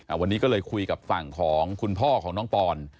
วันนี้ก็เลยคุยกับฝั่งของคุณพ่อของน้องปอน